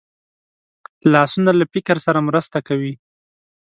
لاسونه له فکر سره مرسته کوي